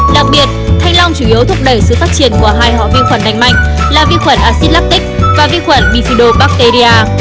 đặc biệt thanh long chủ yếu thúc đẩy sự phát triển của hai họ vi khuẩn đánh mạnh là vi khuẩn acid lactic và vi khuẩn bifidobacteria